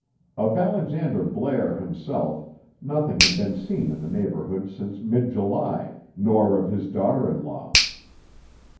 Of Alexander Blair himself, nothing had been seen in the neighborhood since mid July, nor of his daughter in law.